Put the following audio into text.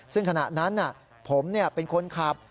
ซึ่งขณะนั้นผมเป็นคนขับ